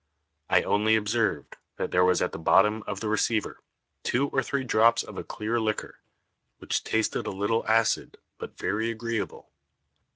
I only observed, that there was at the bottom of the Receiver, two or three Drops of a clear Liquor, which tasted a little acid, but very agreeable.